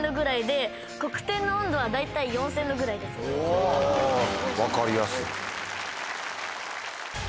お分かりやすい。